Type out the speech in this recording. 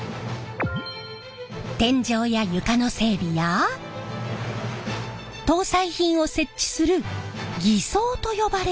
天井や床の整備や搭載品を設置する艤装と呼ばれる作業！